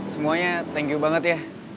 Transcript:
semuanya thank you banget ya